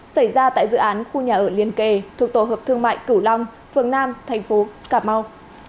xảy ra tại dự án khu nhà ở liên kề thuộc tổ hợp thương mại cửu long phường nam tp cà mau